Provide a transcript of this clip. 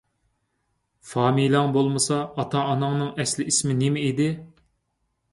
فامىلەڭ بولمىسا، ئاتا - ئاناڭنىڭ ئەسلىي ئىسمى نېمە ئىدى؟